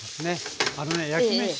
あのね焼きめし